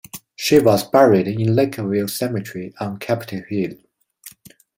She was buried in Lake View Cemetery on Capitol Hill.